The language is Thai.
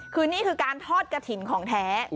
คือนี่คือการทอดกระถิ่นของแท้